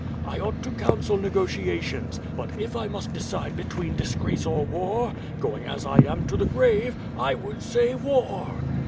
1 ought to counsel negotiations, but if I must decide between disgrace or war, going as 1 am to the grave, I would say War!"